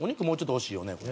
もうちょっと欲しいよね。